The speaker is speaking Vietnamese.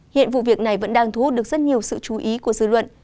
hiện vụ việc này vẫn đang thu hút được rất nhiều sự chú ý của dư luận